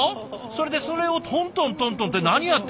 それでそれをトントントントンって何やってんですか。